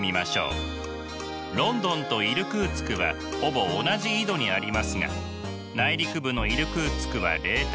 ロンドンとイルクーツクはほぼ同じ緯度にありますが内陸部のイルクーツクは冷帯。